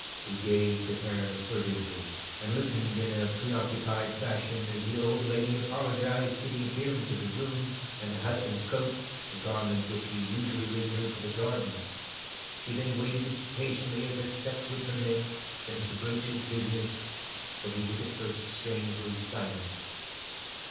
He gazed at her furtively, and listened in a preoccupied fashion as the old lady apologized for the appearance of the room, and her husband's coat, a garment which he usually reserved for the garden. She then waited as patiently as her sex would permit, for him to broach his business, but he was at first strangely silent.